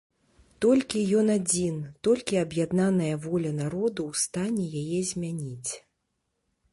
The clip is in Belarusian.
Толькі ён адзін, толькі аб'яднаная воля народу ў стане яе змяніць.